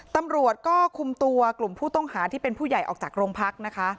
ตำรวจก็คุมตัวกลุ่มผู้ต้องหาที่เป็นผู้ใหญ่ออกจากโรงพักนะคะ